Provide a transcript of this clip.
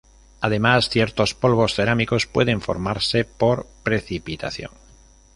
Además, ciertos polvos cerámicos pueden formarse por precipitación.